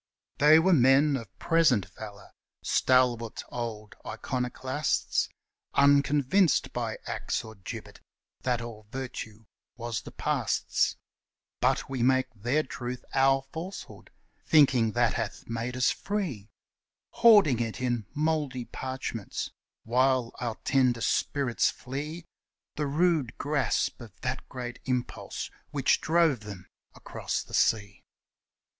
They were men of present valor, stalwart old iconoclasts, Unconvinced by axe or gibbet that all virtue was the Past's; But we make their truth our falsehood, thinking that hath made us free, Hoarding it in mouldy parchments, while our tender spirits flee The rude grasp of that great Impulse which drove them across the sea.